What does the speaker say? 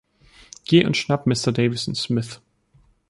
Geh und schnapp Mr. Davison, Smith.